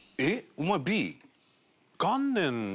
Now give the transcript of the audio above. お前、Ｂ？